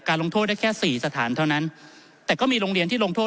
ลงโทษได้แค่สี่สถานเท่านั้นแต่ก็มีโรงเรียนที่ลงโทษ